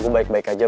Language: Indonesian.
gue baik baik aja